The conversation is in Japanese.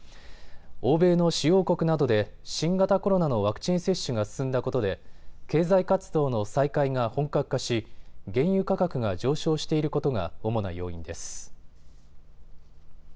欧米の主要国などで新型コロナのワクチン接種が進んだことで経済活動の再開が本格化し原油価格が上昇していることが主な要因です。